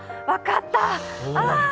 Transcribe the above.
分かった。